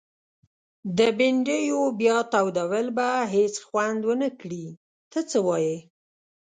د بنډیو بیا تودول به هيڅ خوند ونکړي ته څه وايي؟